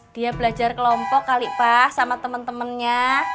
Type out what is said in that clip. dia belajar kelompok kali pa sama temen temennya